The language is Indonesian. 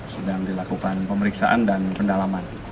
sedang dilakukan pemeriksaan dan pendalaman